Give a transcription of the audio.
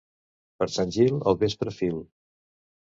Per Sant Gil, al vespre fil.